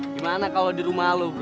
gimana kalau di rumah lo